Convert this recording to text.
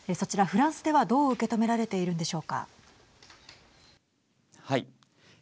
フランスではどう受け止められているんでしょうか。